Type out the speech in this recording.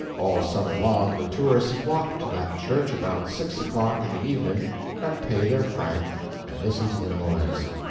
All summer long the tourists flock to that church about six o'clock in the evening, and pay their franc, and listen to the noise.